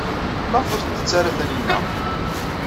Maɣef ur tettett ara Taninna?